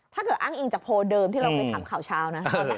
ถ้าเกิดอ้างอิงจากโพลเดิมที่เราไปถามข่าวเช้านะ